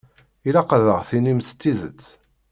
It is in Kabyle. Ilaq ad aɣ-d-tinimt tidet.